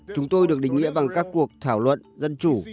chúng tôi được định nghĩa bằng các cuộc thảo luận dân chủ